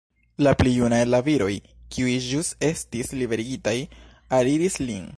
La pli juna el la viroj, kiuj ĵus estis liberigitaj, aliris lin.